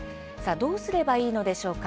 どうすればいいのでしょうか。